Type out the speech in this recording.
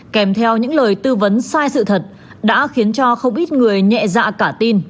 kèm theo những lời tư vấn sai sự thật đã khiến cho không ít người nhẹ dạ cả tin